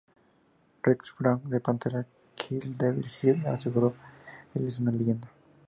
Rex Brown de Pantera y Kill Devil Hill aseguró: "Él es una leyenda.